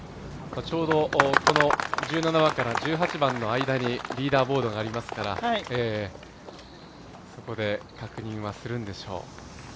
ちょうど１７番から１８番の間にリーダーボードがありますから、そこで、確認はするんでしょう。